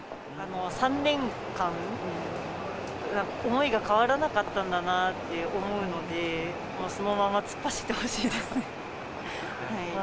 ３年間、思いが変わらなかったんだなって思うので、そのまま突っ走ってほしいですね。